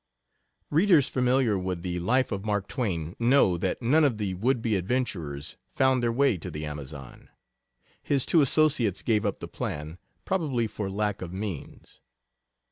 Readers familiar with the life of Mark Twain know that none of the would be adventurers found their way to the Amazon: His two associates gave up the plan, probably for lack of means.